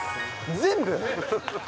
全部？